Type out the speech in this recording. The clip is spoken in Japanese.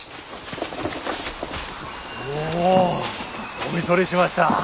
おお見それしました。